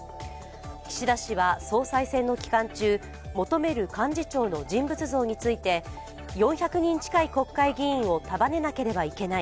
岸田氏は総裁選の期間中、求める幹事長の人物像について４００人近い国会議員を束ねなければいけない。